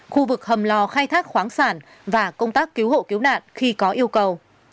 khu vực hầm lò khai thác khoáng sản và công tác cứu hộ cứu nạn khi có yêu cầu